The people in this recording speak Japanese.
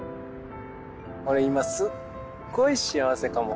俺今すっごい幸せかも。